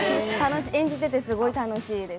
演じててすごい楽しいです。